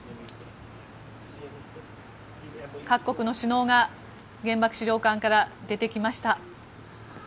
各国の首脳が原爆資料館から出てきました。